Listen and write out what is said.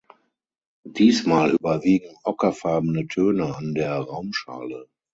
Diesmal überwiegen ockerfarbene Töne an der Raumschale.